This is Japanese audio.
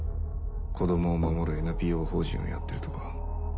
子供を守るＮＰＯ法人をやってるとか。